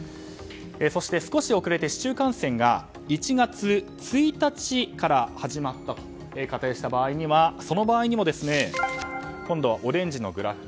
そして、少し遅れて市中感染が１月１日から始まったと仮定した場合にはその場合にも今度はオレンジのグラフ。